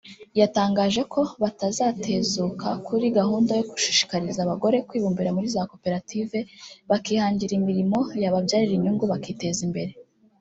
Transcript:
yatangaje ko batazatezuka kuri gahunda yo gushishikariza abagore kwibumbira muri za koperative bakihangira imirimo yababyarira inyungu bakiteza imbere